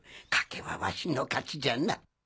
賭けはワシの勝ちじゃな。